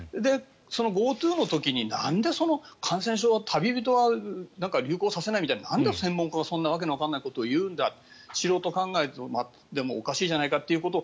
ＧｏＴｏの時になんで感染症旅人は流行させないっていうなんで専門家がそんな訳のわからないことを言うんだ、素人考えでもおかしいじゃないかということを。